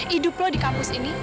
hidup lo di kampus ini